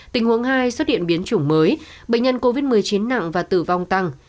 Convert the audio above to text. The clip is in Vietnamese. tình huống hai xuất hiện biến chủng mới bệnh nhân covid một mươi chín nặng và tử vong tăng